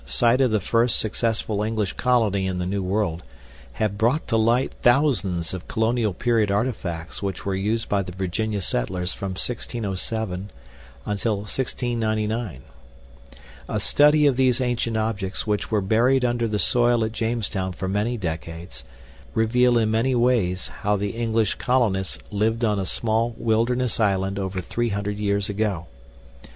site of the first successful English colony in the New World have brought to light thousands of colonial period artifacts which were used by the Virginia settlers from 1607 until 1699. A study of these ancient objects, which were buried under the soil at Jamestown for many decades, reveal in many ways how the English colonists lived on a small wilderness island over 300 years ago.